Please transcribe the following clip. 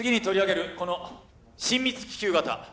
この親密希求型。